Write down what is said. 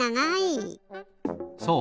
そう。